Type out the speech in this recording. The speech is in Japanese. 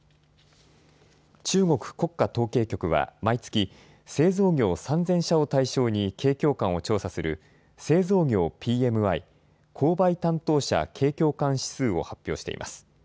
中国国家統計局は毎月、製造業３０００社を対象に景況感を調査する製造業ＰＭＩ・購買担当者景況感指数を発表しています。